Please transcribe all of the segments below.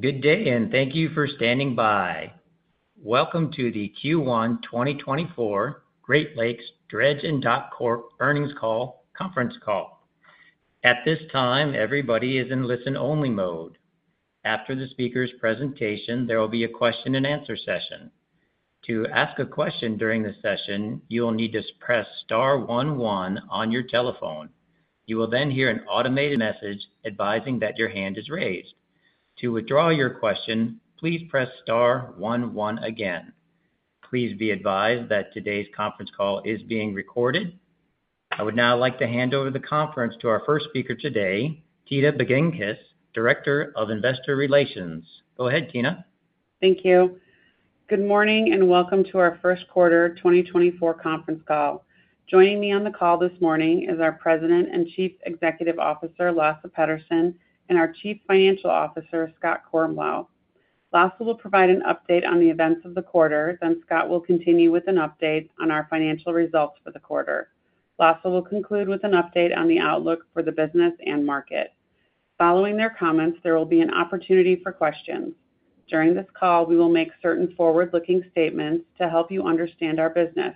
Good day and thank you for standing by. Welcome to the Q1 2024 Great Lakes Dredge & Dock Corp Earnings Call Conference Call. At this time, everybody is in listen-only mode. After the speaker's presentation, there will be a question-and-answer session. To ask a question during the session, you will need to press star one one on your telephone. You will then hear an automated message advising that your hand is raised. To withdraw your question, please press star one one. Thank you. Good morning and welcome to our First Quarter 2024 Conference Call. Joining me on the call this morning is our President and Chief Executive Officer Lasse Petterson and our Chief Financial Officer Scott Kornblau. Lasse will provide an update on the events of the quarter, then Scott will continue with an update on our financial results for the quarter. Lasse will conclude with an update on the outlook for the business and market. Following their comments, there will be an opportunity for questions. During this call, we will make certain forward-looking statements to help you understand our business.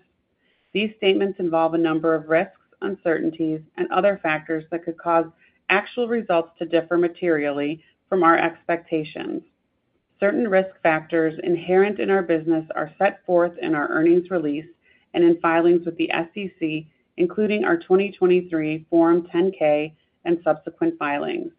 These statements involve a number of risks, uncertainties, and other factors that could cause actual results to differ materially from our expectations. Certain risk factors inherent in our business are set forth in our earnings release and in filings with the SEC, including our 2023 Form 10-K and subsequent filings.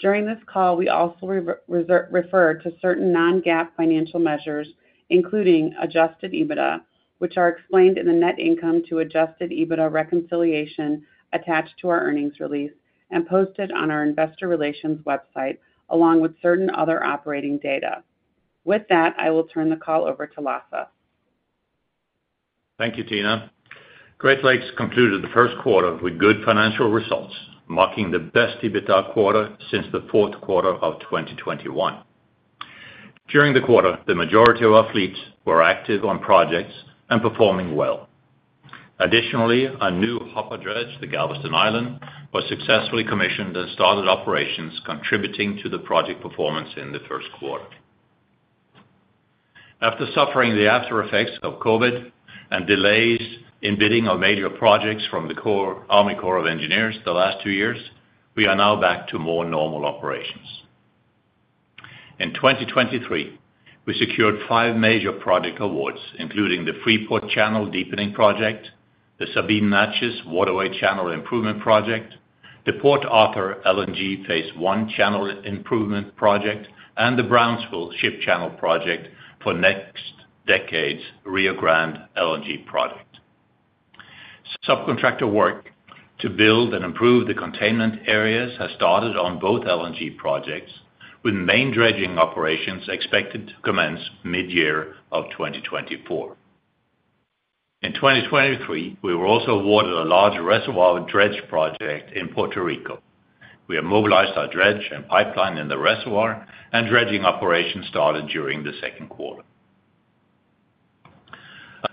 During this call, we also refer to certain non-GAAP financial measures, including Adjusted EBITDA, which are explained in the net income to Adjusted EBITDA reconciliation attached to our earnings release and posted on our investor relations website, along with certain other operating data. With that, I will turn the call over to Lasse. Thank you, Tina. Great Lakes concluded the first quarter with good financial results, marking the best EBITDA quarter since the fourth quarter of 2021. During the quarter, the majority of our fleets were active on projects and performing well. Additionally, a new hopper dredge, the Galveston Island, was successfully commissioned and started operations, contributing to the project performance in the first quarter. After suffering the aftereffects of COVID and delays in bidding of major projects from the Army Corps of Engineers the last two years, we are now back to more normal operations. In 2023, we secured five major project awards, including the Freeport Channel Deepening Project, the Sabine-Neches Waterway Channel Improvement Project, the Port Arthur LNG Phase 1 Channel Improvement Project, and the Brownsville Ship Channel Project for NextDecade's Rio Grande LNG Project. Subcontractor work to build and improve the containment areas has started on both LNG projects, with main dredging operations expected to commence mid-year of 2024. In 2023, we were also awarded a large reservoir dredge project in Puerto Rico. We have mobilized our dredge and pipeline in the reservoir, and dredging operations started during the second quarter.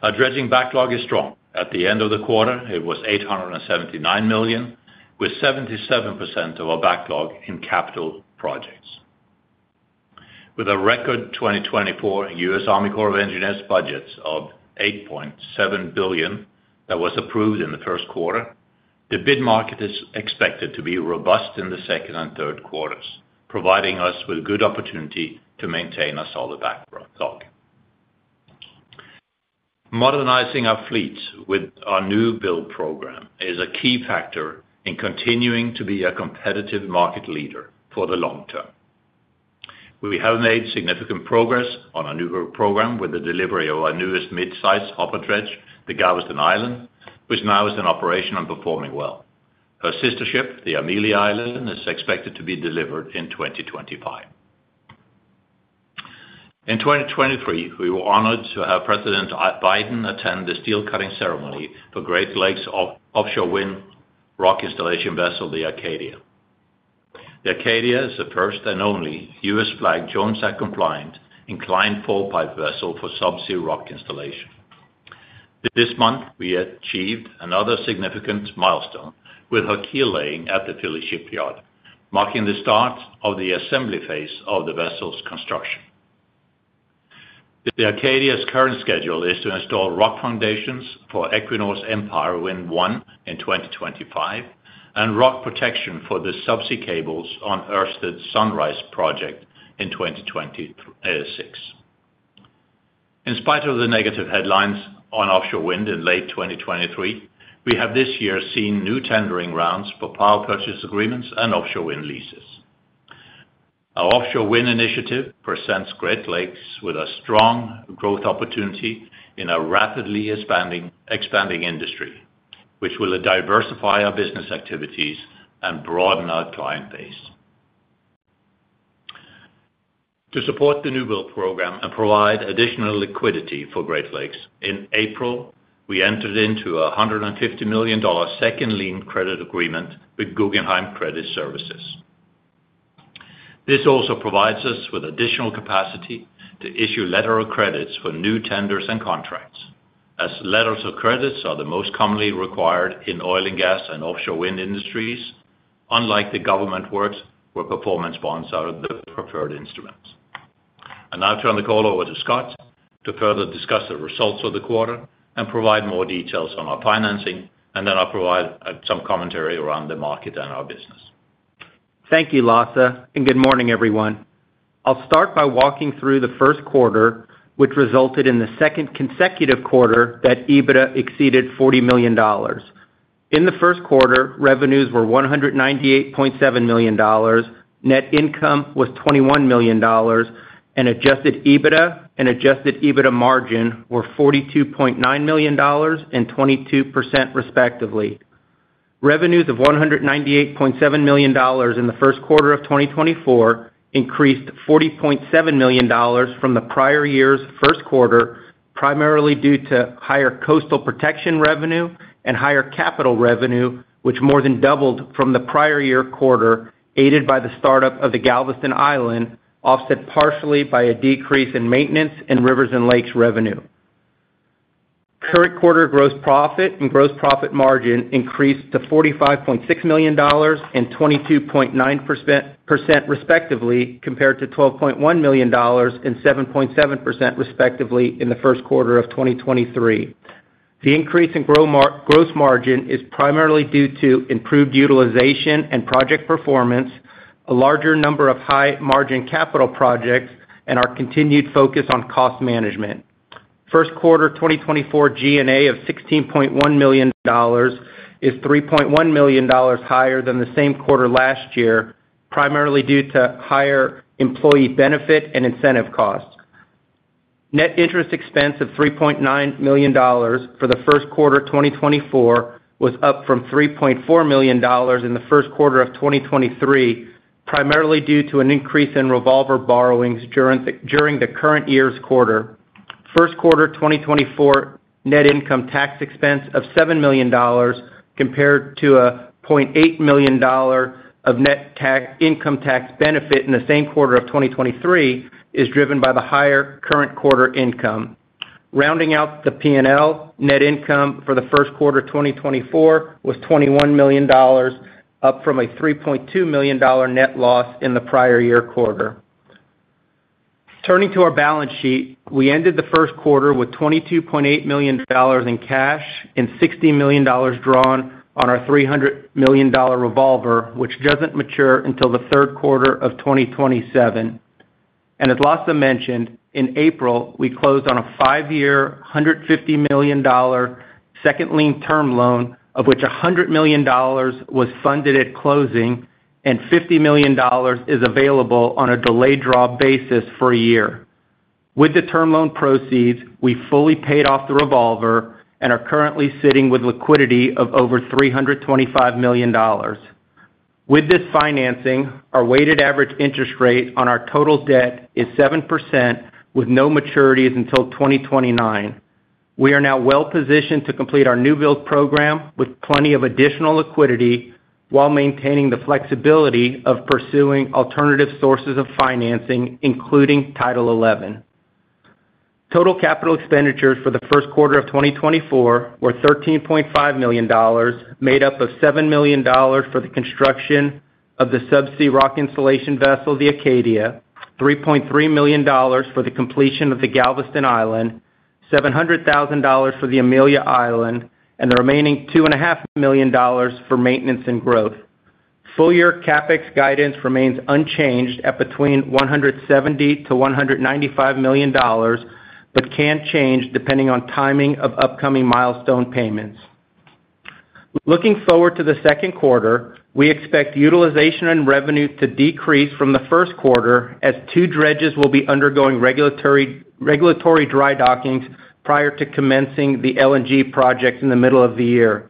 Our dredging backlog is strong. At the end of the quarter, it was $879 million, with 77% of our backlog in capital projects. With a record 2024 U.S. Army Corps of Engineers budget of $8.7 billion that was approved in the first quarter, the bid market is expected to be robust in the second and third quarters, providing us with good opportunity to maintain a solid backlog. Modernizing our fleets with our new build program is a key factor in continuing to be a competitive market leader for the long term. We have made significant progress on our new program with the delivery of our newest mid-size hopper dredge, the Galveston Island, which now is in operation and performing well. Her sister ship, the Amelia Island, is expected to be delivered in 2025. In 2023, we were honored to have President Biden attend the steel-cutting ceremony for Great Lakes' offshore wind rock installation vessel, the Acadia. The Acadia is the first and only U.S.-flagged Jones Act-compliant inclined fall-pipe vessel for subsea rock installation. This month, we achieved another significant milestone with her keel laying at the Philly Shipyard, marking the start of the assembly phase of the vessel's construction. The Acadia's current schedule is to install rock foundations for Equinor's Empire Wind 1 in 2025 and rock protection for the subsea cables on Ørsted Sunrise Wind Project in 2026. In spite of the negative headlines on offshore wind in late 2023, we have this year seen new tendering rounds for power purchase agreements and offshore wind leases. Our offshore wind initiative presents Great Lakes with a strong growth opportunity in a rapidly expanding industry, which will diversify our business activities and broaden our client base. To support the new build program and provide additional liquidity for Great Lakes, in April, we entered into a $150 million second lien credit agreement with Guggenheim Credit Services. This also provides us with additional capacity to issue letters of credit for new tenders and contracts, as letters of credit are the most commonly required in oil and gas and offshore wind industries, unlike the government works where performance bonds are the preferred instruments. I now turn the call over to Scott to further discuss the results of the quarter and provide more details on our financing, and then I'll provide some commentary around the market and our business. Thank you, Lasse, and good morning, everyone. I'll start by walking through the first quarter, which resulted in the second consecutive quarter that EBITDA exceeded $40 million. In the first quarter, revenues were $198.7 million, net income was $21 million, and Adjusted EBITDA and Adjusted EBITDA margin were $42.9 million and 22% respectively. Revenues of $198.7 million in the first quarter of 2024 increased $40.7 million from the prior year's first quarter, primarily due to higher coastal protection revenue and higher capital revenue, which more than doubled from the prior year quarter aided by the startup of the Galveston Island, offset partially by a decrease in maintenance and rivers and lakes revenue. Current quarter gross profit and gross profit margin increased to $45.6 million and 22.9% respectively, compared to $12.1 million and 7.7% respectively in the first quarter of 2023. The increase in gross margin is primarily due to improved utilization and project performance, a larger number of high-margin capital projects, and our continued focus on cost management. First quarter 2024 G&A of $16.1 million is $3.1 million higher than the same quarter last year, primarily due to higher employee benefit and incentive costs. Net interest expense of $3.9 million for the first quarter 2024 was up from $3.4 million in the first quarter of 2023, primarily due to an increase in revolver borrowings during the current year's quarter. First quarter 2024 net income tax expense of $7 million, compared to a $0.8 million of net income tax benefit in the same quarter of 2023, is driven by the higher current quarter income. Rounding out the P&L, net income for the first quarter 2024 was $21 million, up from a $3.2 million net loss in the prior year quarter. Turning to our balance sheet, we ended the first quarter with $22.8 million in cash and $60 million drawn on our $300 million revolver, which doesn't mature until the third quarter of 2027. As Lasse mentioned, in April, we closed on a five-year $150 million second lien term loan, of which $100 million was funded at closing and $50 million is available on a delayed draw basis for a year. With the term loan proceeds, we fully paid off the revolver and are currently sitting with liquidity of over $325 million. With this financing, our weighted average interest rate on our total debt is 7%, with no maturities until 2029. We are now well-positioned to complete our new build program with plenty of additional liquidity while maintaining the flexibility of pursuing alternative sources of financing, including Title XI. Total capital expenditures for the first quarter of 2024 were $13.5 million, made up of $7 million for the construction of the subsea rock installation vessel, the Acadia, $3.3 million for the completion of the Galveston Island, $700,000 for the Amelia Island, and the remaining $2.5 million for maintenance and growth. Full-year CapEx guidance remains unchanged at between $170 million-$195 million, but can change depending on timing of upcoming milestone payments. Looking forward to the second quarter, we expect utilization and revenue to decrease from the first quarter as two dredges will be undergoing regulatory dry dockings prior to commencing the LNG projects in the middle of the year.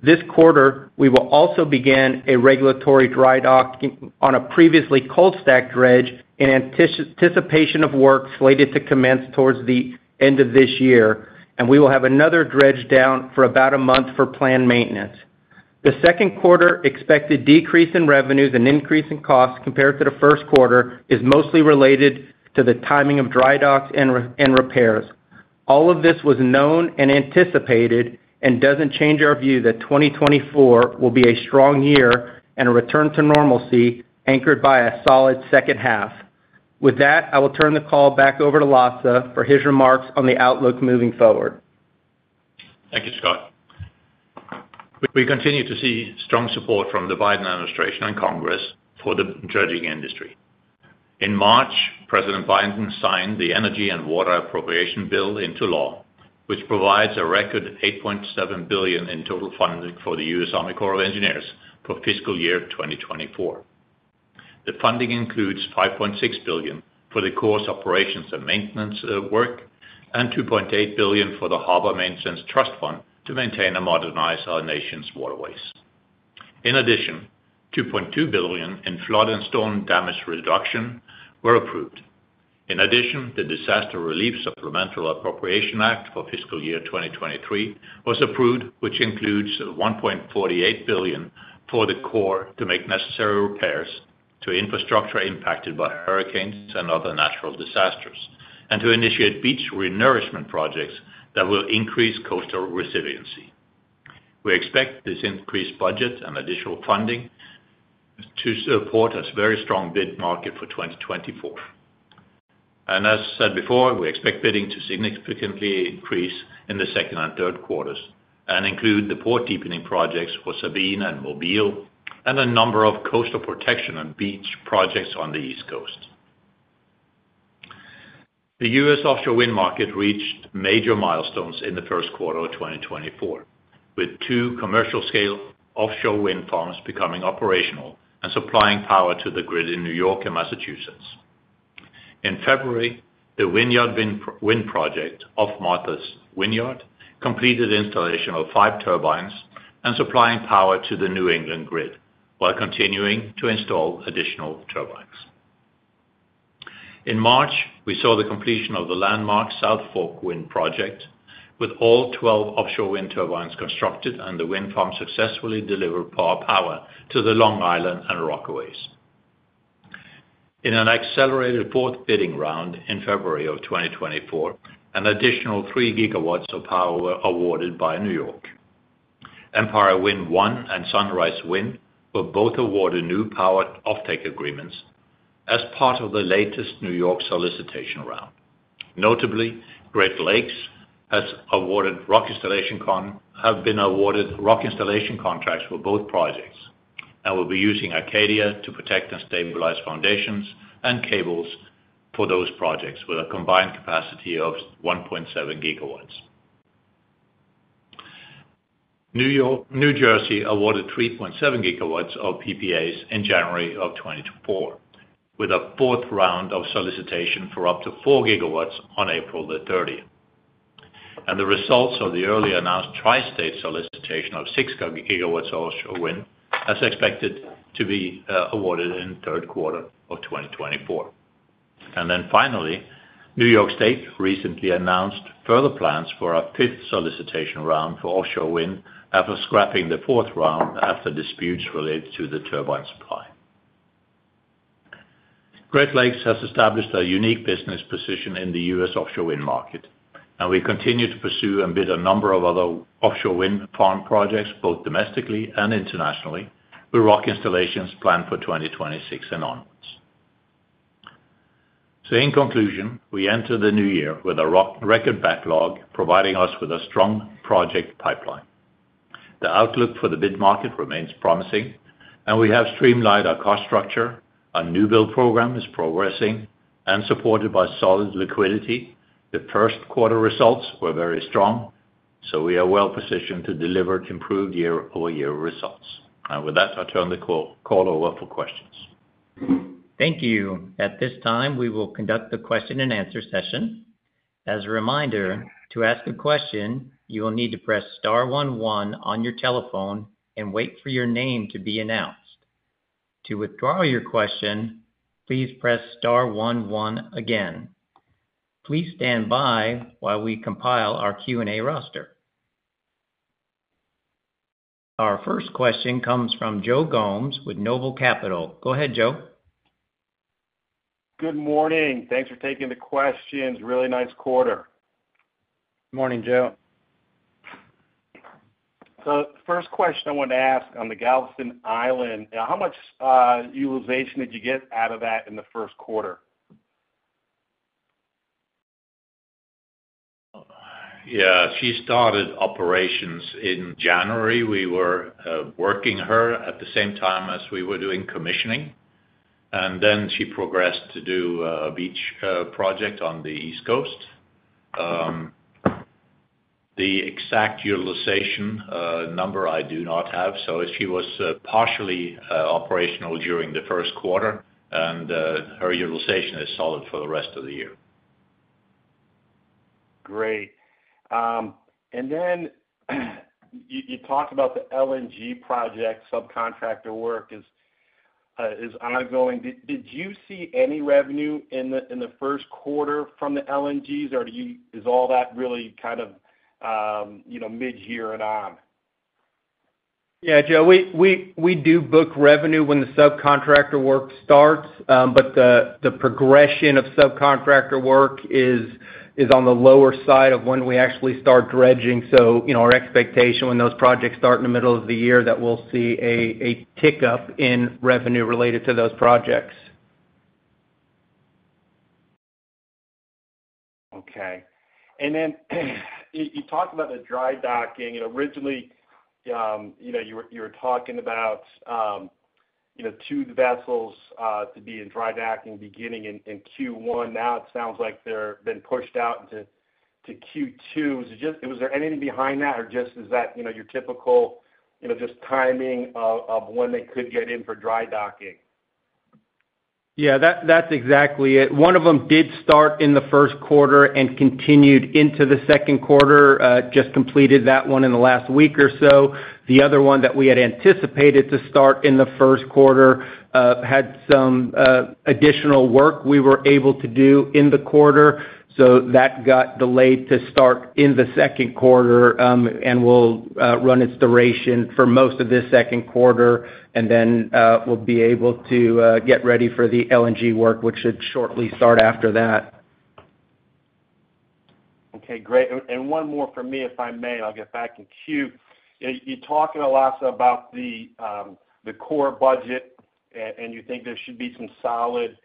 This quarter, we will also begin a regulatory dry docking on a previously cold-stacked dredge in anticipation of work slated to commence towards the end of this year, and we will have another dredge down for about a month for planned maintenance. The second quarter expected decrease in revenues and increase in costs compared to the first quarter is mostly related to the timing of dry docks and repairs. All of this was known and anticipated and doesn't change our view that 2024 will be a strong year and a return to normalcy anchored by a solid second half. With that, I will turn the call back over to Lasse for his remarks on the outlook moving forward. Thank you, Scott. We continue to see strong support from the Biden administration and Congress for the dredging industry. In March, President Biden signed the Energy and Water Appropriations Bill into law, which provides a record $8.7 billion in total funding for the U.S. Army Corps of Engineers for fiscal year 2024. The funding includes $5.6 billion for the Corps operations and maintenance work and $2.8 billion for the Harbor Maintenance Trust Fund to maintain and modernize our nation's waterways. In addition, $2.2 billion in flood and storm damage reduction were approved. In addition, the Disaster Relief Supplemental Appropriations Act for fiscal year 2023 was approved, which includes $1.48 billion for the Corps to make necessary repairs to infrastructure impacted by hurricanes and other natural disasters and to initiate beach renourishment projects that will increase coastal resiliency. We expect this increased budget and additional funding to support a very strong bid market for 2024. As said before, we expect bidding to significantly increase in the second and third quarters and include the port deepening projects for Sabine-Neches and Mobile and a number of coastal protection and beach projects on the East Coast. The U.S. offshore wind market reached major milestones in the first quarter of 2024, with two commercial-scale offshore wind farms becoming operational and supplying power to the grid in New York and Massachusetts. In February, the Vineyard Wind Project of Martha's Vineyard completed installation of five turbines and supplying power to the New England grid while continuing to install additional turbines. In March, we saw the completion of the landmark South Fork Wind Project, with all 12 offshore wind turbines constructed and the wind farm successfully delivered power to the Long Island and Rockaways. In an accelerated fourth bidding round in February of 2024, an additional 3 gigawatts of power were awarded by New York. Empire Wind 1 and Sunrise Wind were both awarded new power offtake agreements as part of the latest New York solicitation round. Notably, Great Lakes has been awarded rock installation contracts for both projects and will be using Acadia to protect and stabilize foundations and cables for those projects with a combined capacity of 1.7 gigawatts. New Jersey awarded 3.7 gigawatts of PPAs in January of 2024, with a fourth round of solicitation for up to 4 gigawatts on April 30. The results of the early-announced tri-state solicitation of 6 gigawatts of offshore wind are expected to be awarded in the third quarter of 2024. And then finally, New York State recently announced further plans for a fifth solicitation round for offshore wind after scrapping the fourth round after disputes related to the turbine supply. Great Lakes has established a unique business position in the U.S. offshore wind market, and we continue to pursue and bid a number of other offshore wind farm projects, both domestically and internationally, with rock installations planned for 2026 and onwards. So in conclusion, we enter the new year with a record backlog providing us with a strong project pipeline. The outlook for the bid market remains promising, and we have streamlined our cost structure, our new build program is progressing, and supported by solid liquidity. The first quarter results were very strong, so we are well-positioned to deliver improved year-over-year results. And with that, I turn the call over for questions. Thank you. At this time, we will conduct the question-and-answer session. As a reminder, to ask a question, you will need to press star one one on your telephone and wait for your name to be announced. To withdraw your question, please press star one one again. Please stand by while we compile our Q&A roster. Our first question comes from Joe Gomes with Noble Capital. Go ahead, Joe. Good morning. Thanks for taking the questions. Really nice quarter. Good morning, Joe. The first question I wanted to ask on the Galveston Island, how much utilization did you get out of that in the first quarter? Yeah. She started operations in January. We were working her at the same time as we were doing commissioning. And then she progressed to do a beach project on the East Coast. The exact utilization number I do not have. So she was partially operational during the first quarter, and her utilization is solid for the rest of the year. Great. And then you talked about the LNG project. Subcontractor work is ongoing. Did you see any revenue in the first quarter from the LNGs, or is all that really kind of mid-year and on? Yeah, Joe. We do book revenue when the subcontractor work starts, but the progression of subcontractor work is on the lower side of when we actually start dredging. So our expectation when those projects start in the middle of the year is that we'll see a tick-up in revenue related to those projects. Okay. And then you talked about the dry docking. Originally, you were talking about two vessels to be in dry docking beginning in Q1. Now it sounds like they're being pushed out into Q2. Was there anything behind that, or just is that your typical just timing of when they could get in for dry docking? Yeah, that's exactly it. One of them did start in the first quarter and continued into the second quarter, just completed that one in the last week or so. The other one that we had anticipated to start in the first quarter had some additional work we were able to do in the quarter, so that got delayed to start in the second quarter and will run its duration for most of this second quarter. Then we'll be able to get ready for the LNG work, which should shortly start after that. Okay. Great. One more for me, if I may, and I'll get back in queue. You're talking a lot about the Corps budget, and you think there should be some solid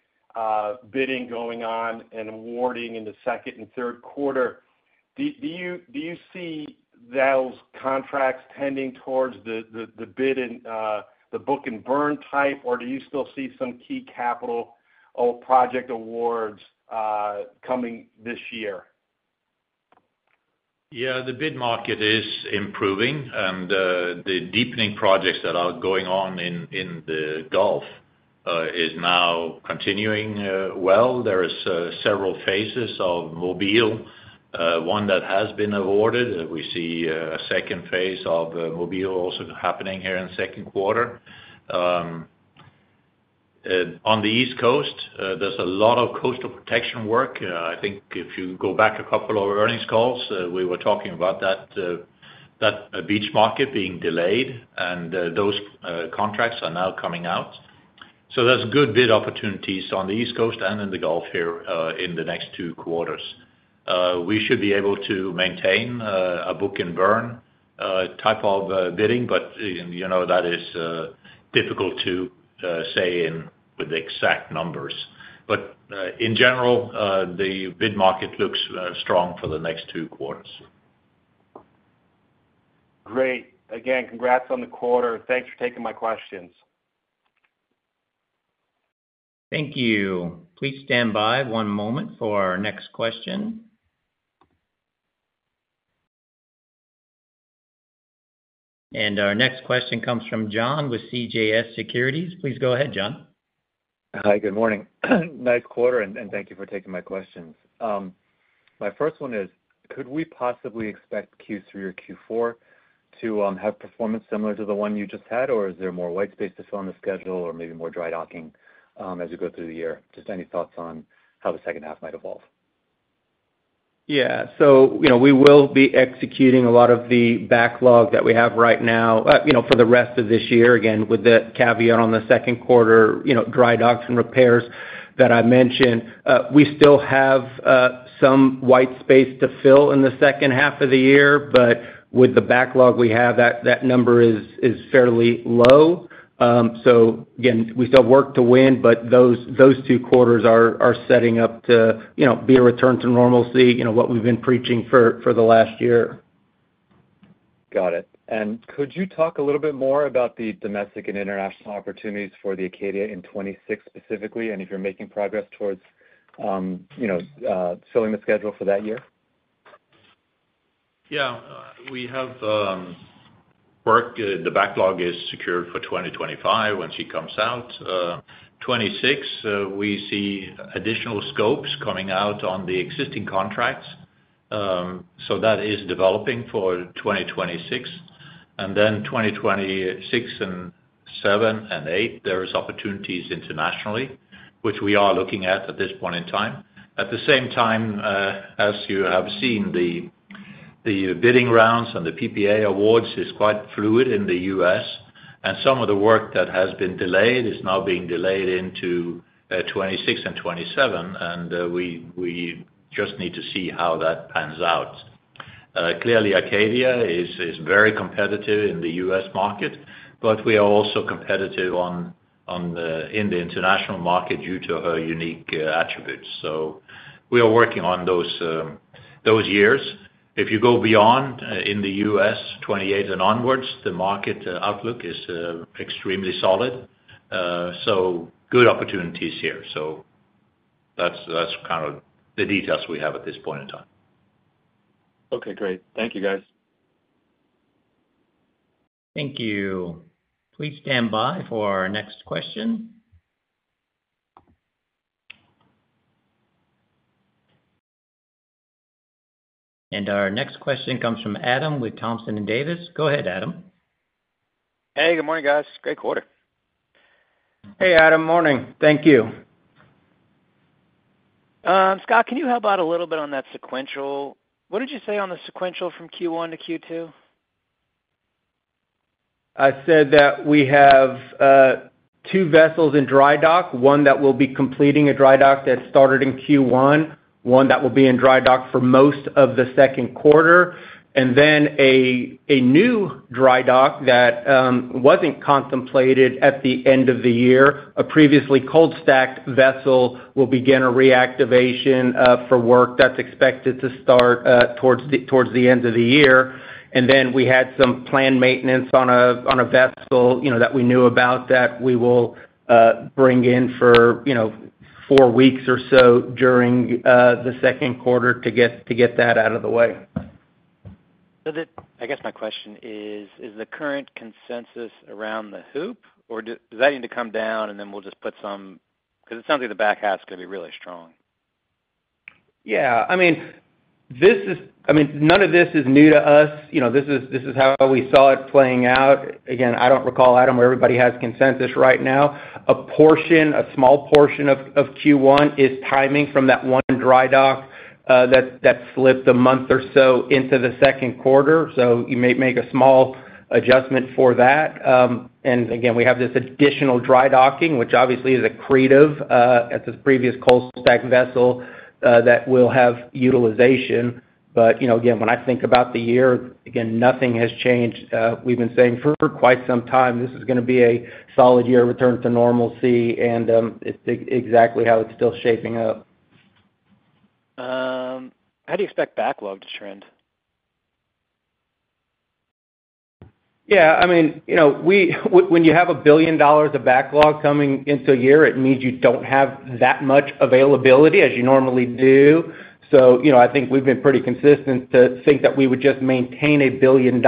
bidding going on and awarding in the second and third quarter. Do you see those contracts tending towards the bid and the book-and-burn type, or do you still see some key capital or project awards coming this year? Yeah, the bid market is improving, and the deepening projects that are going on in the Gulf are now continuing well. There are several phases of Mobile. One that has been awarded, we see a second phase of Mobile also happening here in the second quarter. On the East Coast, there's a lot of coastal protection work. I think if you go back a couple of earnings calls, we were talking about that beach market being delayed, and those contracts are now coming out. So there's good bid opportunities on the East Coast and in the Gulf here in the next two quarters. We should be able to maintain a book-and-burn type of bidding, but that is difficult to say with exact numbers. But in general, the bid market looks strong for the next two quarters. Great. Again, congrats on the quarter. Thanks for taking my questions. Thank you. Please stand by one moment for our next question. Our next question comes from Jon with CJS Securities. Please go ahead, Jon. Hi. Good morning. Nice quarter, and thank you for taking my questions. My first one is, could we possibly expect Q3 or Q4 to have performance similar to the one you just had, or is there more white space to fill on the schedule or maybe more dry docking as you go through the year? Just any thoughts on how the second half might evolve. Yeah. So we will be executing a lot of the backlog that we have right now for the rest of this year. Again, with the caveat on the second quarter, dry docks and repairs that I mentioned, we still have some white space to fill in the second half of the year, but with the backlog we have, that number is fairly low. So again, we still have work to win, but those two quarters are setting up to be a return to normalcy, what we've been preaching for the last year. Got it. Could you talk a little bit more about the domestic and international opportunities for the Acadia in 2026 specifically, and if you're making progress towards filling the schedule for that year? Yeah. We have work. The backlog is secured for 2025 when she comes out. 2026, we see additional scopes coming out on the existing contracts. So that is developing for 2026. And then 2026 and 2027 and 2028, there are opportunities internationally, which we are looking at at this point in time. At the same time as you have seen, the bidding rounds and the PPA awards are quite fluid in the U.S., and some of the work that has been delayed is now being delayed into 2026 and 2027, and we just need to see how that pans out. Clearly, Acadia is very competitive in the U.S. market, but we are also competitive in the international market due to her unique attributes. So we are working on those years. If you go beyond in the U.S., 2028 and onwards, the market outlook is extremely solid. So good opportunities here. That's kind of the details we have at this point in time. Okay. Great. Thank you, guys. Thank you. Please stand by for our next question. Our next question comes from Adam with Thompson Davis. Go ahead, Adam. Hey. Good morning, guys. Great quarter. Hey, Adam. Morning. Thank you. Scott, can you help out a little bit on that sequential? What did you say on the sequential from Q1 to Q2? I said that we have two vessels in dry dock, one that will be completing a dry dock that started in Q1, one that will be in dry dock for most of the second quarter, and then a new dry dock that wasn't contemplated at the end of the year. A previously cold-stacked vessel will begin a reactivation for work that's expected to start towards the end of the year. And then we had some planned maintenance on a vessel that we knew about that we will bring in for 4 weeks or so during the second quarter to get that out of the way. I guess my question is, is the current consensus around the hoop, or does that need to come down, and then we'll just put some because it sounds like the back half is going to be really strong. Yeah. I mean, none of this is new to us. This is how we saw it playing out. Again, I don't recall, Adam, where everybody has consensus right now. A small portion of Q1 is timing from that one dry dock that slipped a month or so into the second quarter. So you may make a small adjustment for that. And again, we have this additional dry docking, which obviously is accretive at this previous cold-stacked vessel that will have utilization. But again, when I think about the year, again, nothing has changed. We've been saying for quite some time, this is going to be a solid year, return to normalcy, and it's exactly how it's still shaping up. How do you expect backlog to trend? Yeah. I mean, when you have $1 billion of backlog coming into a year, it means you don't have that much availability as you normally do. So I think we've been pretty consistent to think that we would just maintain $1 billion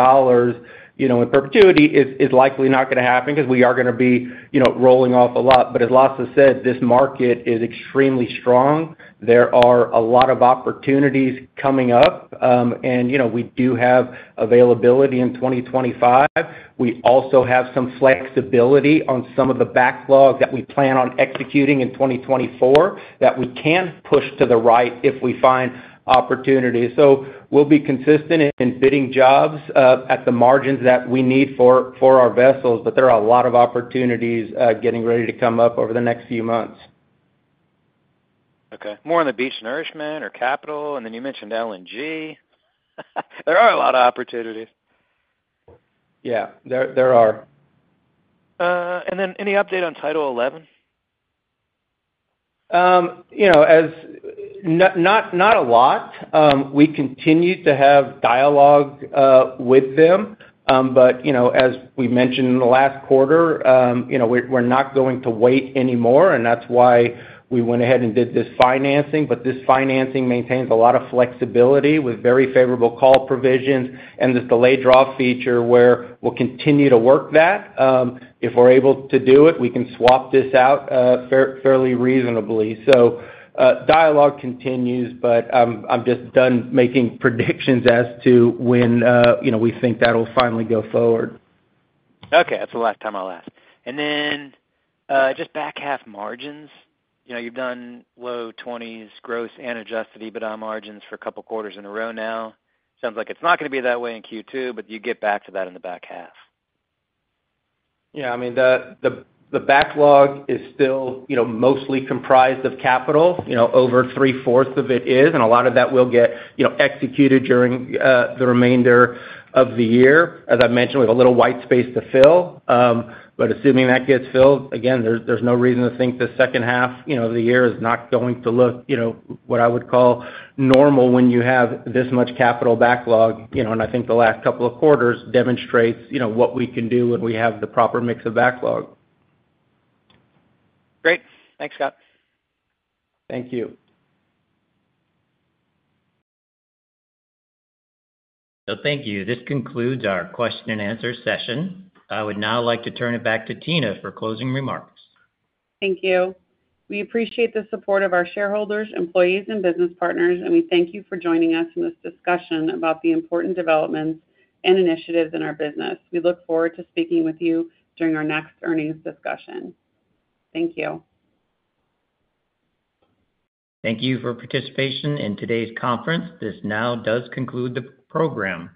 in perpetuity. It's likely not going to happen because we are going to be rolling off a lot. But as Lasse said, this market is extremely strong. There are a lot of opportunities coming up, and we do have availability in 2025. We also have some flexibility on some of the backlog that we plan on executing in 2024 that we can push to the right if we find opportunities. So we'll be consistent in bidding jobs at the margins that we need for our vessels, but there are a lot of opportunities getting ready to come up over the next few months. Okay. More on the beach renourishment or capital, and then you mentioned LNG. There are a lot of opportunities. Yeah, there are. Any update on Title XI? Not a lot. We continue to have dialogue with them, but as we mentioned in the last quarter, we're not going to wait anymore, and that's why we went ahead and did this financing. But this financing maintains a lot of flexibility with very favorable call provisions and this delayed draw feature where we'll continue to work that. If we're able to do it, we can swap this out fairly reasonably. So dialogue continues, but I'm just done making predictions as to when we think that'll finally go forward. Okay. That's the last time I'll ask. And then just back half margins, you've done low 20s, gross and Adjusted EBITDA margins for a couple of quarters in a row now. Sounds like it's not going to be that way in Q2, but you get back to that in the back half. Yeah. I mean, the backlog is still mostly comprised of capital. Over three-fourths of it is, and a lot of that will get executed during the remainder of the year. As I mentioned, we have a little white space to fill. But assuming that gets filled, again, there's no reason to think the second half of the year is not going to look what I would call normal when you have this much capital backlog. And I think the last couple of quarters demonstrate what we can do when we have the proper mix of backlog. Great. Thanks, Scott. Thank you. Thank you. This concludes our question-and-answer session. I would now like to turn it back to Tina for closing remarks. Thank you. We appreciate the support of our shareholders, employees, and business partners, and we thank you for joining us in this discussion about the important developments and initiatives in our business. We look forward to speaking with you during our next earnings discussion. Thank you. Thank you for participation in today's conference. This now does conclude the program. You.